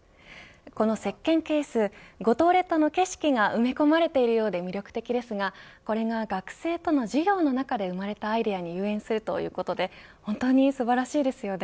このせっけんケース五島列島の景色が埋め込まれているようで魅力的ですがこれが学生との授業の中で生まれたアイデアにゆえんするということで本当に素晴らしいですよね。